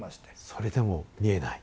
それでも見えない？